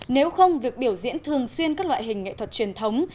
nếu không việc biểu diễn thường xuyên các loại hình nghệ thuật truyền thống